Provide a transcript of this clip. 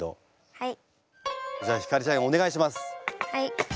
はい。